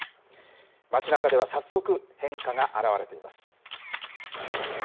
街なかでは早速、変化が表れています。